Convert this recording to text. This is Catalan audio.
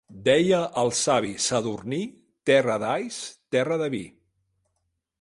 Deia el savi Sadurní: –Terra d'alls, terra de vi.